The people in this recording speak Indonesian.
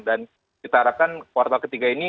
dan kita harapkan kuartal ketiga ini